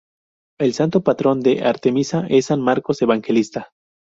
El Santo Patrón de Artemisa es San Marcos Evangelista.